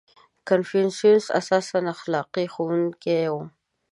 • کنفوسیوس اساساً اخلاقي ښوونکی و.